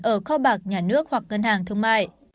ở kho bạc nhà nước hoặc ngân hàng thương mại